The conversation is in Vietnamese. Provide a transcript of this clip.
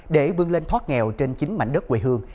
để vươn lên thoát nghèo trên chính mảnh đất quê hương